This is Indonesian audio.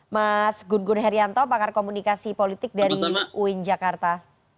mas gun gun herianto pakar komunikasi politik dari uin jakarta